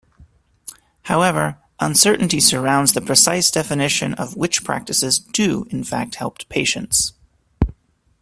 However, uncertainty surrounds the precise definition of which practices do in fact help patients.